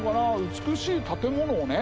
美しい建物をね